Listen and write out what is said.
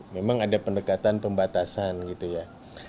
memang ada pendekatan pembatasan gitu ya